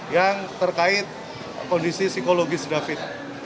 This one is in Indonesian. yang terkait kondisi psikologis david